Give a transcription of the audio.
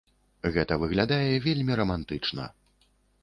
Гэта выглядае вельмі рамантычна.